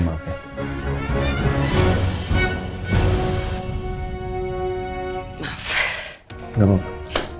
keila keila bisa duduk disini